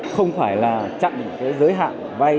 không phải là chặn cái giới hạn